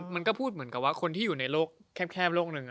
มันก็พูดเหมือนกับว่าคนที่อยู่ในโลกแคบโลกหนึ่ง